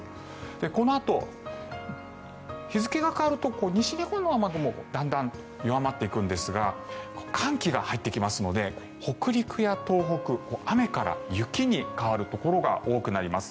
このあと日付が変わると西日本の雨雲だんだんと弱まっていくんですが寒気が入ってきますので北陸や東北雨から雪に変わるところが多くなります。